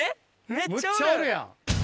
むっちゃおるやん！